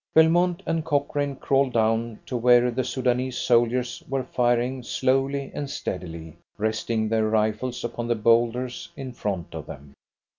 Belmont and Cochrane crawled down to where the Soudanese soldiers were firing slowly and steadily, resting their rifles upon the boulders in front of them.